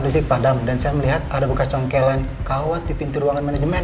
didik padam dan saya melihat ada bokas congkelen kawat di pintu ruangan manajemen